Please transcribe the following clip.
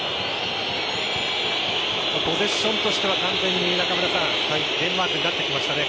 ポゼッションとしては完全にデンマークになってきましたね。